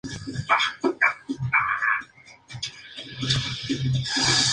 Este tipo de reacción se ejemplifica en la reacción de Suzuki.